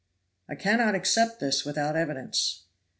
"I cannot accept this without evidence."